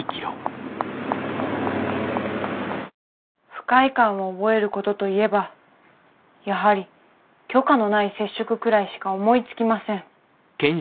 不快感を覚えることと言えばやはり許可のない接触くらいしか思いつきません。